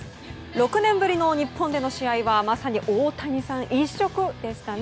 ６年ぶりの日本での試合はまさに大谷さん一色でしたね。